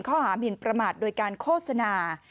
หมินประมาทโดยการโฆษณา